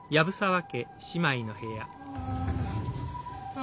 あ。